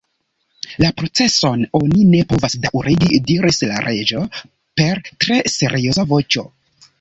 "La proceson oni ne povas daŭrigi," diris la Reĝo per tre serioza voĉo.